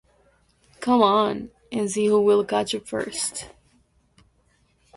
Come on, and see who will catch up first.